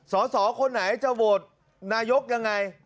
สสคนไหนจะโหวตนายกยังไง